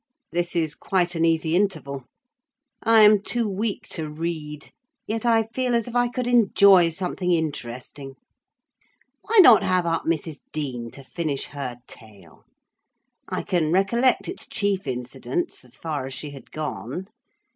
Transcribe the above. This is quite an easy interval. I am too weak to read; yet I feel as if I could enjoy something interesting. Why not have up Mrs. Dean to finish her tale? I can recollect its chief incidents, as far as she had gone.